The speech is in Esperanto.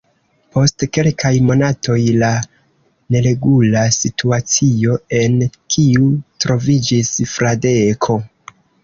Post kelkaj monatoj, la neregula situacio, en kiu troviĝis Fradeko.